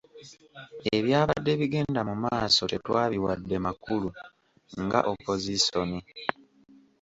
Ebyabadde bigenda mu maaso tetwabiwadde makulu nga opozisoni.